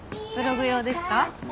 ブログ用ですか？